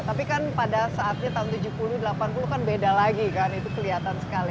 tapi kan pada saatnya tahun tujuh puluh delapan puluh kan beda lagi kan itu kelihatan sekali